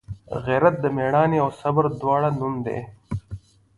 غیرت د میړانې او صبر دواړو نوم دی